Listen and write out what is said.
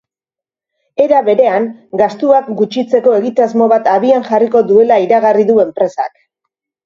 Era berean, gastuak gutxitzeko egitasmo bat abian jarriko duela iragarri du enpresak.